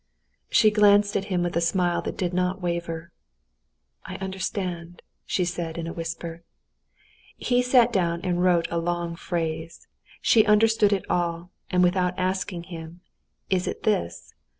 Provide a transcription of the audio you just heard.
She glanced at him with a smile that did not waver. "I understand," she said in a whisper. He sat down and wrote a long phrase. She understood it all, and without asking him, "Is it this?"